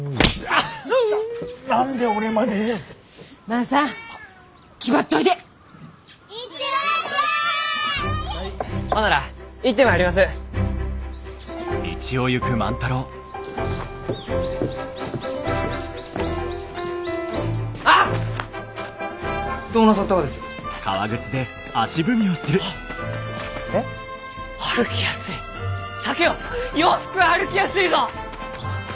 竹雄洋服は歩きやすいぞ！